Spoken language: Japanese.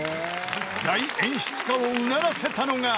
［大演出家をうならせたのが］